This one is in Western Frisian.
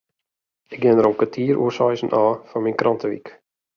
Ik gean der om kertier oer seizen ôf foar myn krantewyk.